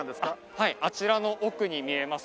はいあちらの奥に見えます